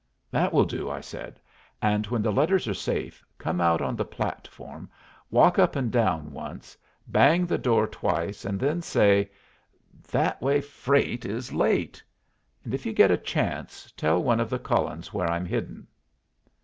"That will do," I said; "and when the letters are safe, come out on the platform, walk up and down once, bang the door twice, and then say, 'That way freight is late.' And if you get a chance, tell one of the Cullens where I'm hidden."